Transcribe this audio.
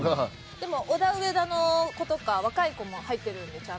でもオダウエダの子とか若い子も入ってるんでちゃんと。